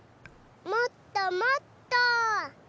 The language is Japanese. もっともっと！